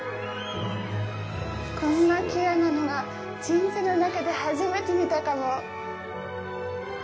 こんなきれいなの、人生の中で初めて見たかも。